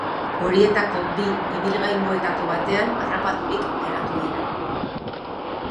Horietako bi ibilgailuetako batean harrapaturik geratu dira.